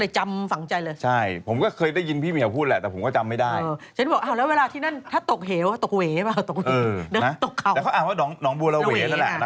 ชาวบ้านที่จังหวัดเฉยียบคูมน้องบัวระเว